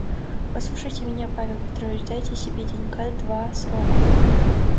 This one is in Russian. Послушайте меня, Павел Петрович, дайте себе денька два сроку.